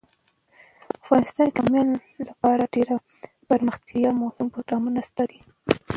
افغانستان کې د بامیان لپاره ډیر دپرمختیا مهم پروګرامونه شته دي.